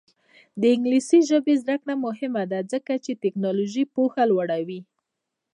د انګلیسي ژبې زده کړه مهمه ده ځکه چې تکنالوژي پوهه لوړوي.